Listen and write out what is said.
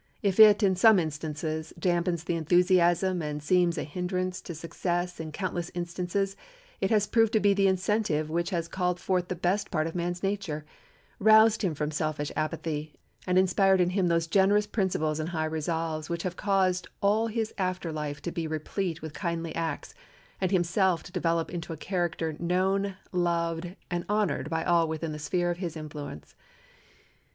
If it, in some instances, dampens the enthusiasm and seems a hindrance to success in countless instances it has proved to be the incentive which has called forth the best part of man's nature, roused him from selfish apathy, and inspired in him those generous principles and high resolves which have caused all his after life to be replete with kindly acts, and himself to develop into a character known, loved, and honored by all within the sphere of its influence.